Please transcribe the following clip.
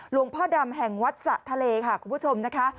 หลวงพ่อดำแห่งวัดสะทะเลค่ะคุณผู้ชมนะคะ